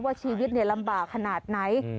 ว่าชีวิตลำบากขนาดไหน